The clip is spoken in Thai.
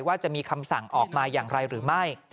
ว่าจะมีคำสั่งออกมาอย่างไรหรือไม่